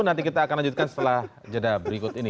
nanti kita akan lanjutkan setelah jeda berikut ini